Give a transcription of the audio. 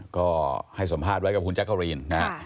ก็ให้สมฆาตไว้กับคุณแจ๊กโครีน